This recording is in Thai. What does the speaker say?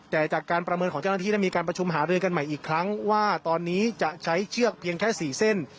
แต่จากการประเมินของเจ้าหน้าที่ได้มีการประชุมหารือกันใหม่อีกครั้งว่าตอนนี้จะใช้เชือกเพียงแค่๔เส้น